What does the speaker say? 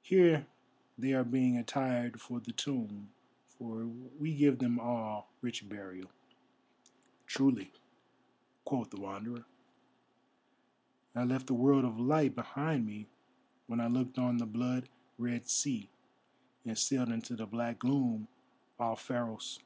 Here they are being attired for the tomb, for we give them all rich burial." "Truly," quoth the Wanderer, "I left the world of Light behind me when I looked on the blood red sea and sailed into the black gloom off Pharos.